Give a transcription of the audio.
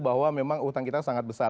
bahwa memang utang kita sangat besar